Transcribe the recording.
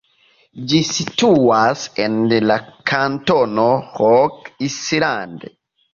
Ĝi situas en la kantono Rock Island.